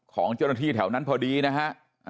ของเจ้าหน้าที่แถวนั้นพอดีนะฮะ